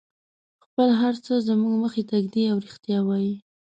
خپل هر څه زموږ مخې ته ږدي او رښتیا وایي.